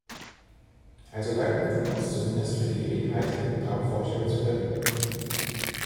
Also danken Sie uns zumindest für die Gelegenheit, Ihr Programm vorstellen zu können.